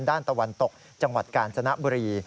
ตะวันตกจังหวัดกาญจนบุรี